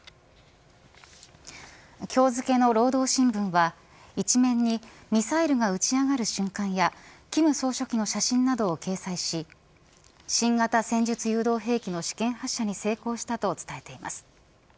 今日付の労働新聞は１面にミサイルが打ち上がる瞬間や金総書記の写真などを掲載し新型戦術誘導兵器の試験発射に成功したと伝えています。